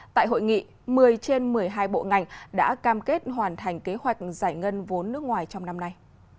tại hội nghị một mươi trên một mươi hai bộ ngành đã cam kết hoàn thành kế hoạch giải ngân vốn nước ngoài trong năm nay